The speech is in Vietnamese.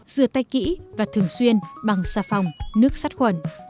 rửa tay kỹ và thường xuyên bằng xà phòng nước sát khuẩn